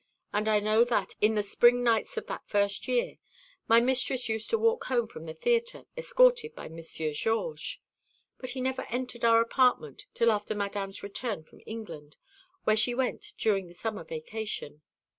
And I know that, in the spring nights of that first year, my mistress used to walk home from the theatre, escorted by Monsieur Georges. But he never entered our apartment till after Madame's return from England, where she went during the summer vacation.